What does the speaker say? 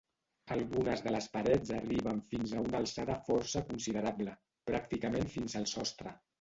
Algunes de les parets arriben fins a una alçada força considerable, pràcticament fins al sostre.